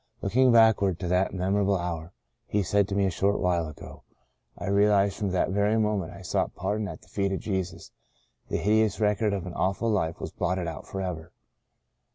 " Looking backward to that memorable hour," he said to me a short while ago, I realize that from the very moment I sought pardon at the feet of Jesus the hideous rec ord of an awful life was blotted out forever.